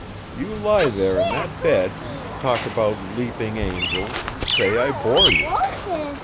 You lie there in that bed, and talk about leaping angels, and say I bore you!